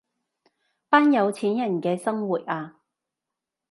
班有錢人嘅生活啊